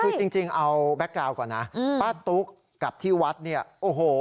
คือจริงเอาแบ็คกาวน์ก่อนนะป้าตุ๊กกับที่วัดเนี่ยโอ้โห